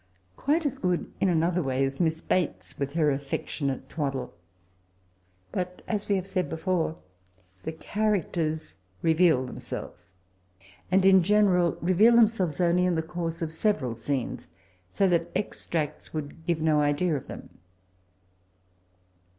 Quite as good io another way is Miss Bates with her affectionate twaddle. Bat, as we said before, the characters reveal themselves; and in general reveai themselves only in the course of severd scenes, so that extracts woald give no Idea of them.